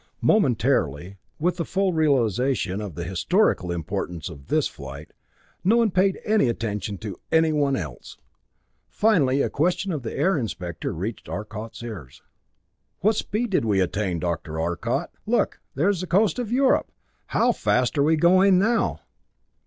Momentarily, with the full realization of the historical importance of this flight, no one paid any attention to anyone else. Finally a question of the Air Inspector reached Arcot's ears. "What speed did we attain, Dr. Arcot? Look there's the coast of Europe! How fast are we going now?"